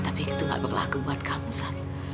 tapi itu gak berlaku buat kamu sa